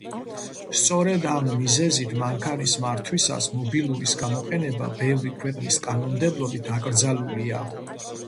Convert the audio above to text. სწორედ ამ მიზეზით, მანქანის მართვისას მობილურის გამოყენება ბევრი ქვეყნის კანონმდებლობით აკრძალულია.